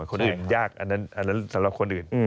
คนอื่นยากอันนั้นสำหรับคนอื่น